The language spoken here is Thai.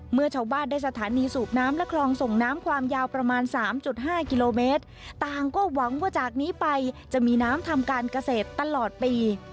เมื่อชาวบ้านได้สถานีสูบน้ำและคลองส่งน้ำความยาวประมาณ๓๕กิโลเมตรต่างก็หวังว่าจากนี้ไปจะมีน้ำทำการเกษตรตลอดปี